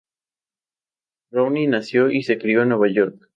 Browne nació y se crio en Nueva York.